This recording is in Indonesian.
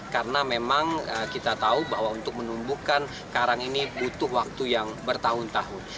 karena memang kita tahu bahwa untuk menumbuhkan karang ini butuh waktu yang bertahun tahun